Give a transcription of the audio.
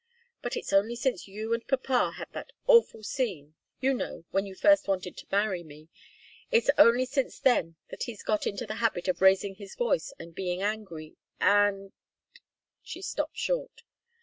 But it's only since you and papa had that awful scene you know, when you first wanted to marry me it's only since then that he's got into the habit of raising his voice and being angry, and " She stopped short.